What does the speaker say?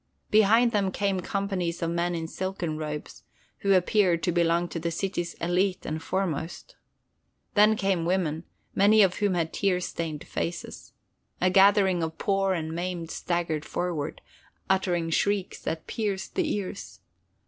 Behind them came companies of men in silken robes, who appeared to belong to the city's élite and foremost. Then came women, many of whom had tear stained faces. A gathering of poor and maimed staggered forward, uttering shrieks that pierced the ears.